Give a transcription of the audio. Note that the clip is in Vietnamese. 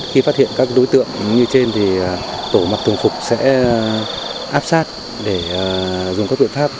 khi phát hiện các đối tượng như trên thì tổ mặc thường phục sẽ áp sát để dùng các biện pháp